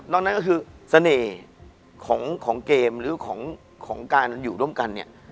นั่นก็คือเสน่ห์ของเกมหรือของการอยู่ร่วมกันเนี่ย